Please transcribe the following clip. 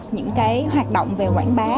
những hoạt động về quảng bá